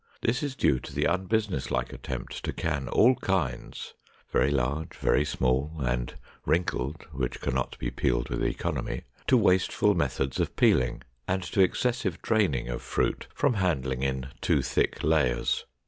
This is due to the unbusiness like attempt to can all kinds—very large, very small, and wrinkled, which can not be peeled with economy—to wasteful methods of peeling, and to excessive draining of fruit from handling in too thick layers.